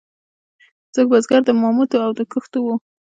څوک بزګر د مامتو او د کښتو وو.